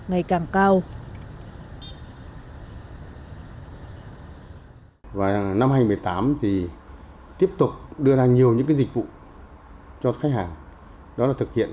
ngày càng cao và năm hai nghìn một mươi tám thì tiếp tục đưa ra nhiều những dịch vụ cho khách hàng đó là thực hiện